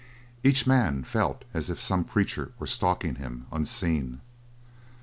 Each man felt as if some creature were stalking him, unseen.